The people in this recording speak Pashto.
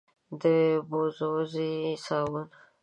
د بوروزې صابون،